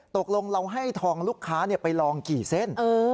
ตกลงเราให้ทองลูกค้าไปลองกี่เส้น